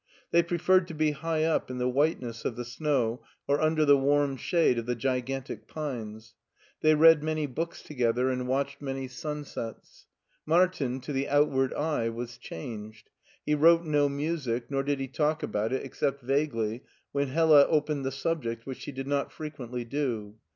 They preferred to be high up in the whiteness of the snow, or under the warm shade of the gigantic pines. They read many books together and watched many sunsets. Martin, to the outward eye, was changed. He wrote no music nor did he talk about it except vaguely when Hella opened the subject, which she did not frequently do.